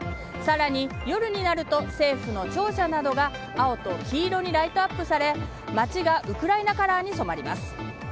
更に、夜になると政府の庁舎などが青と黄色にライトアップされ街がウクライナカラーに染まります。